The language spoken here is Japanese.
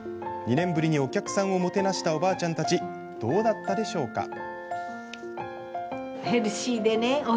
２年ぶりにお客さんをもてなしたおばあちゃんたちどうだったでしょうか。